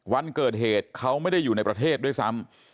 วันเกิดเหตุเขาไม่ได้อยู่ในประเทศด้วยซ้ำ